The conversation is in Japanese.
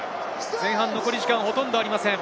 前半、残り時間はほとんどありません。